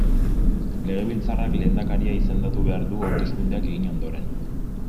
Legebiltzarrak Lehendakaria izendatu behar du hauteskundeak egin ondoren.